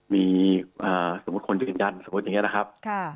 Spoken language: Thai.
มีสมมุติคนยืนยันสมมุติอย่างนี้นะครับ